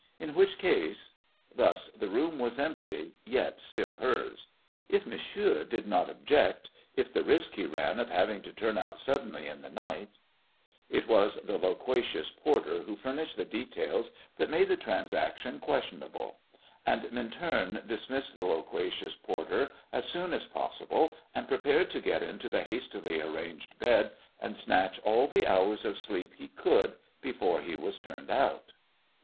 In which case Thus the room was empty, yet still hers. "If Monsieur did not object if the risk he ran of having to turn out suddenly in the night " It was the loquacious porter who furnished the details that made the transaction questionable; and Minturn dismissed the loquacious porter as soon as possible, and prepared to get into the hastily arranged bed and snatch all the hours of sleep he could before he was turned out.